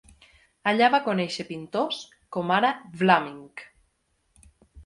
Allà va conèixer pintors, com ara Vlaminck.